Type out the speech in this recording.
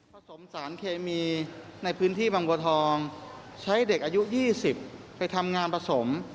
สารเคมีในพื้นที่บางบัวทองใช้เด็กอายุ๒๐ไปทำงานผสม